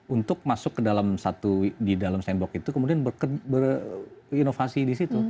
untuk masuk ke dalam satu di dalam sandbox itu kemudian berinovasi di situ